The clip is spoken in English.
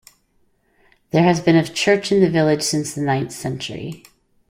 There has been a church in the village since the ninth century.